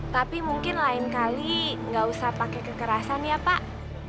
tapi mungkin lain kali gak usah pakai kekerasan ya pak